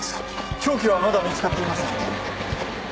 凶器はまだ見つかっていません。